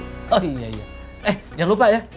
oh iya iya eh jangan lupa ya